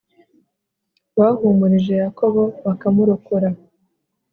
bahumurije Yakobo bakamurokora,